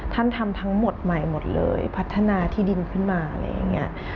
ท่านทำทั้งหมดใหม่หมดเลยพัฒนาที่ดินขึ้นมาอะไรอย่างนี้